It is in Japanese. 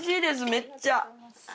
めっちゃ。